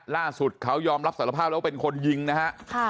ล่าสุดเขายอมรับสารภาพแล้วว่าเป็นคนยิงนะฮะ